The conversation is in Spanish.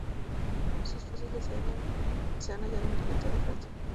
Sus fósiles se han hallado en Inglaterra y Francia.